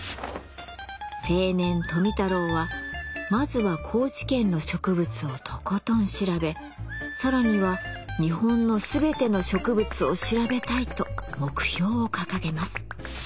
青年富太郎はまずは高知県の植物をとことん調べ更には日本の全ての植物を調べたいと目標を掲げます。